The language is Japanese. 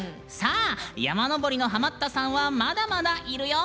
山登りのハマったさんはまだまだいるよ！